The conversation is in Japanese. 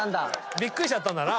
びっくりしちゃったんだな。